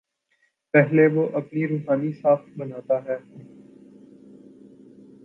پہلے وہ اپنی روحانی ساکھ بناتا ہے۔